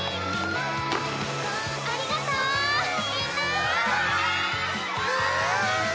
ありがとうみんな！